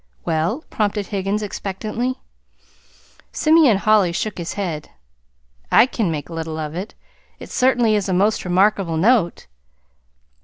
"Well?" prompted Higgins expectantly. Simeon Holly shook his head. "I can make little of it. It certainly is a most remarkable note."